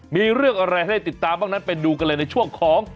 มีเรื่องอะไรให้ได้ติดตามบ้างนั้นไปดูกันเลยในช่วงของ